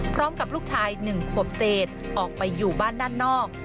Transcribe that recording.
พร้อมกับลูกชาย๑ขวบเศษออกไปอยู่บ้านด้านนอก